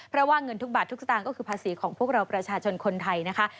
เพราะว่าเงินทุกบาททุกสตางค์ก็คือภาษีของพวกเราประชาชนคนไทยนะคะ